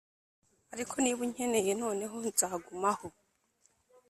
ariko niba unkeneye noneho nzagumaho. "